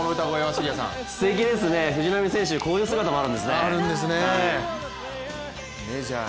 すてきですね藤浪選手、こういう姿もあるんですね。